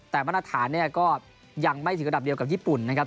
แต่มาตรฐานเนี่ยก็ยังไม่ถึงระดับเดียวกับญี่ปุ่นนะครับ